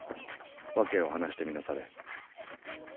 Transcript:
訳を話してみなされ。